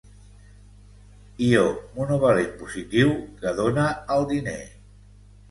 Ió monovalent positiu que dóna al diner.